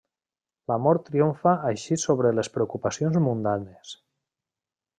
L'amor triomfa així sobre les preocupacions mundanes.